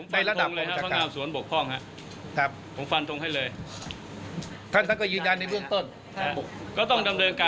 ผมฟันทงเลยครับพนักงานสวนบกพร่องครับ